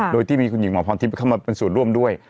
โดยที่มีคุณหญิงหมอพรทิพย์เข้ามาเป็นส่วนร่วมด้วย